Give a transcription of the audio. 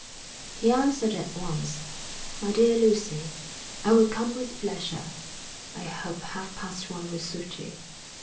_ He answered at once. My Dear Lucy: _I will come with pleasure. I hope half past one will suit you.